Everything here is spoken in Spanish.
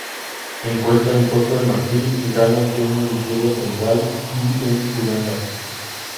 Se encuentra en Costa de Marfil, Ghana, Kenia, Nigeria, Senegal y en Uganda.